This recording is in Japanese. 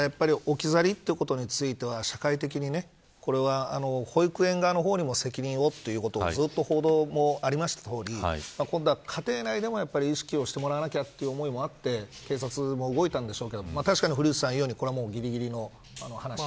ただ、やっぱり置き去りということについては社会的にこれは保育園側の方にも責任を、ということをずっと報道もありましたとおり家庭内でも意識をしてもらわなきゃという思いもあって警察も動いたんでしょうけれども。